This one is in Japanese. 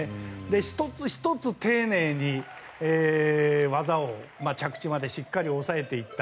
１つ１つ丁寧に、技を着地までしっかり抑えていった。